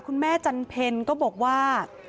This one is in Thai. คุณแม่จันเพ็ญก็บอกว่า